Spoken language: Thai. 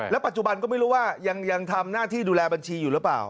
ปัจจุบันก็ไม่รู้ว่ายังทำหน้าที่ดูแลบัญชีอยู่หรือเปล่า